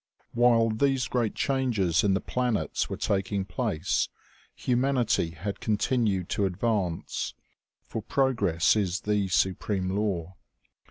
WHILE these great changes in the planets were taking place, humanity had continued to advance ; for progress is the supreme law.